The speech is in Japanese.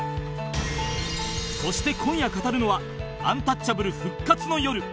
そして今夜語るのはアンタッチャブル復活の夜